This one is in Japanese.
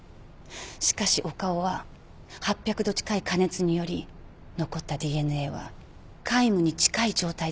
しかし岡尾は８００℃近い加熱により残ったＤＮＡは皆無に近い状態だったんです。